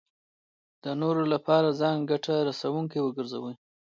د نورو لپاره ځان ګټه رسوونکی وګرځوي.